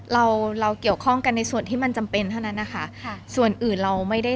เราเราเกี่ยวข้องกันในส่วนที่มันจำเป็นเท่านั้นนะคะค่ะส่วนอื่นเราไม่ได้